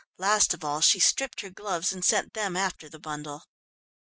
Last of all she stripped her gloves and sent them after the bundle.